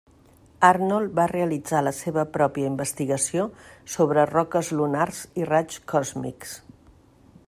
Arnold va realitzar la seva pròpia investigació sobre roques lunars i raigs còsmics.